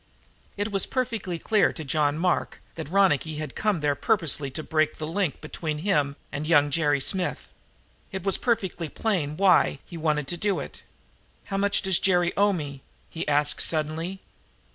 It was perfectly clear to John Mark that Ronicky had come there purposely to break the link between him and young Jerry Smith. It was perfectly plain why he wanted to do it. "How much does Jerry owe me?" he asked suddenly.